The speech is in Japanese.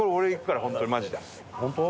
ホント？